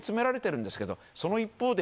その一方で。